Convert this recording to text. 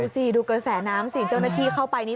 สิดูกระแสน้ำสิเจ้าหน้าที่เข้าไปนี่